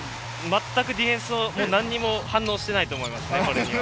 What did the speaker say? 全くディフェンスも反応していないと思います。